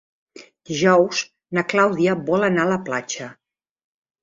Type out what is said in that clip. Dijous na Clàudia vol anar a la platja.